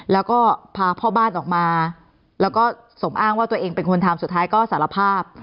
แล้วก็พาพ่อบ้านออกมาแล้วก็สมอ้างว่าตัวเองเป็นคนทำสุดท้ายก็สารภาพ